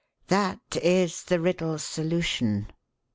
That is the riddle's solution.